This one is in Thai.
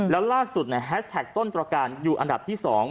แล้วล่าสุดเนี่ยแฮชแท็กต้นประการอยู่อันดับที่สอง